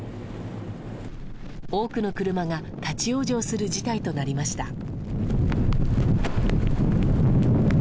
多くの車が立ち往生する事態となりました。